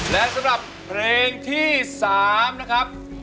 และสำหรับเพลงที่๓นะครับ